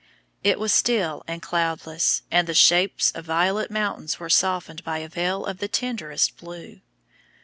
It was still and cloudless, and the shapes of violet mountains were softened by a veil of the tenderest blue.